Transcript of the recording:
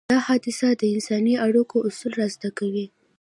دا حديث د انساني اړيکو اصول رازده کوي.